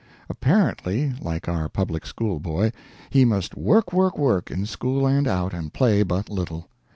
Apparently like our public school boy he must work, work, work, in school and out, and play but little.